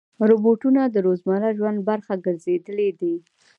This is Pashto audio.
روبوټونه د روزمره ژوند برخه ګرځېدلي دي.